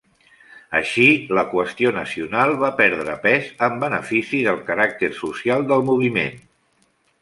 Així, la qüestió nacional va perdre pes en benefici del caràcter social del moviment.